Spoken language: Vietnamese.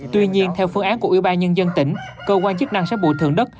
tuy nhiên theo phương án của ủy ban nhân dân tỉnh cơ quan chức năng sẽ bồi thường đất